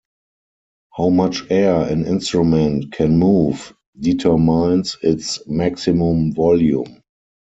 How much air an instrument can move determines its maximum volume.